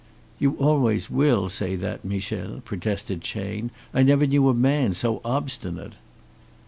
"You always will say that, Michel," protested Chayne. "I never knew a man so obstinate."